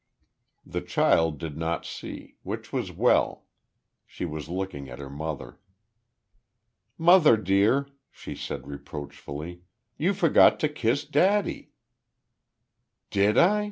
The child did not see; which was well. She was looking at her mother. "Mother, dear," she said reproachfully. "You forgot to kiss daddy." "Did I?